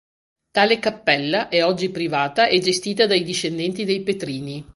Tale cappella è oggi privata e gestita dai discendenti dei Petrini.